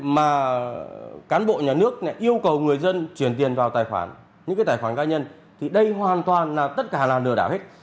mà cán bộ nhà nước yêu cầu người dân chuyển tiền vào tài khoản những cái tài khoản cá nhân thì đây hoàn toàn là tất cả là lừa đảo hết